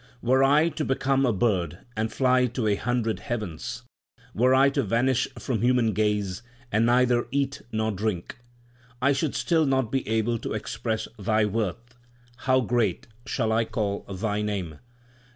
Were I to become a bird and fly to a hundred heavens ; Were I to vanish from human gaze and neither eat nor drink, I should still not be able to express Thy worth ; how great shall I call Thy name